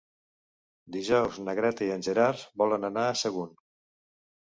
Dijous na Greta i en Gerard volen anar a Sagunt.